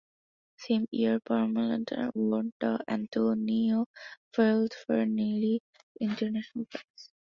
The same year, Perlmutter won the Antonio Feltrinelli International Prize.